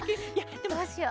どうしよう。